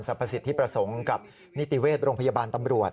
สิทธิประสงค์กับนิติเวชโรงพยาบาลตำรวจ